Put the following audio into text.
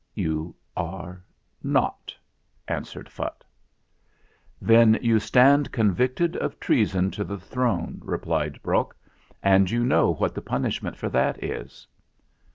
"You are not," answered Phutt. "Then you stand convicted of treason to the throne," replied Brok; "and you know what the punishment for that is."